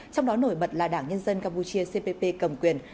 trong đó nổi bật là đảng nhân dân campuchia cpp cầm quyền